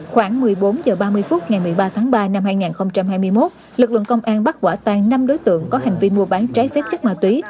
khoảng một mươi bốn h ba mươi phút ngày một mươi ba tháng ba năm hai nghìn hai mươi một lực lượng công an bắt quả tan năm đối tượng có hành vi mua bán trái phép chất ma túy